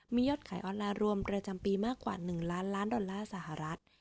มียอดขายออนไลน์รวมประจำปีมากกว่า๑ล้านล้านดอลลาร์สหรัฐ